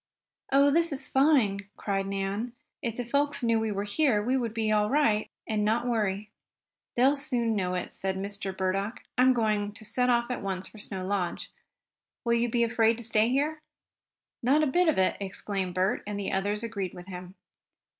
"Oh, this is fine!" cried Nan. "If the folks knew we were here we would be all right, and not worry." "They'll soon know it," said Mr. Burdock. "I'm going to set off at once for Snow Lodge. Will you be afraid to stay here?" "Not a bit of it!" exclaimed Bert, and the others agreed with him.